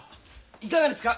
いかがですか？